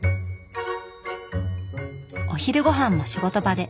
お昼ごはんも仕事場で。